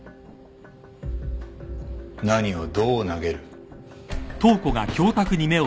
何をどう投げる？